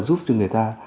giúp cho người ta